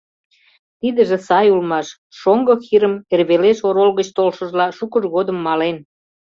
Тидыже сай улмаш — шоҥго Хирм эрвелеш орол гыч толшыжла шукыж годым мален.